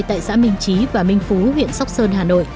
tại xã minh trí và minh phú huyện sóc sơn hà nội